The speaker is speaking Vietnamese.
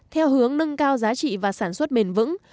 theo hướng nâng cao giá trị và sản xuất bền vững